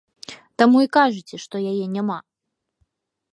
Таму і кажаце, што яе няма!